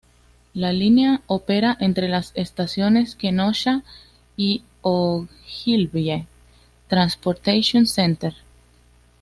La línea opera entre las estaciones Kenosha y Ogilvie Transportation Center.